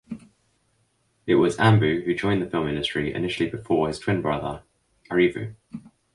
It was Anbu who joined the film industry initially before his twin brother Arivu.